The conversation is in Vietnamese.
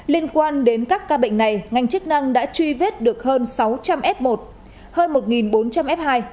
liên quan đến các ca bệnh này ngành chức năng đã truy vết được hơn sáu trăm linh f một hơn một bốn trăm linh f hai